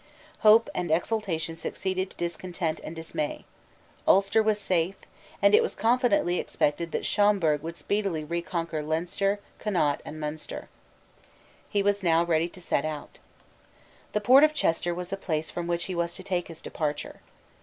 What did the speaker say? Hope and exultation succeeded to discontent and dismay, Ulster was safe; and it was confidently expected that Schomberg would speedily reconquer Leinster, Connaught, and Munster. He was now ready to set out. The port of Chester was the place from which he was to take his departure.